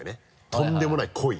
とんでもない濃い。